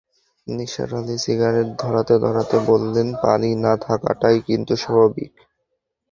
Nisar Ali cigarette ধরাতে-ধরাতে বললেন, পানি না-থাকাটাই কিন্তু স্বাভাবিক।